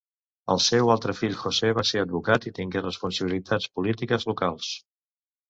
El seu altre fill José va ser advocat i tingué responsabilitats polítiques locals.